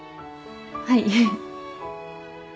はい。